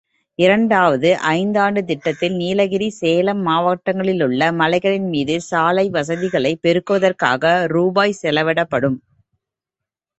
இரண்டாவது ஐந்தாண்டுத் திட்டத்தில் நீலகிரி, சேலம் மாவட்டங்களிலுள்ள மலைகளின்மீது சாலை வசதிகளைப் பெருக்குவதற்காக ரூ. செலவிடப்படும்.